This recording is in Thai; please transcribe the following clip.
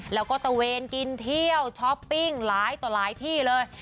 แล้วก็ตะเวนกินเที่ยวช้อปปิ้งหลายต่อหลายที่เลย